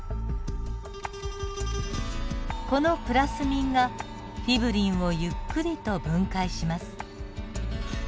このプラスミンがフィブリンをゆっくりと分解します。